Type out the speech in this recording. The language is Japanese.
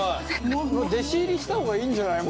弟子入りした方がいいんじゃない？